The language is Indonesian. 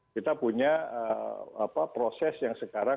kita punya proses yang sekarang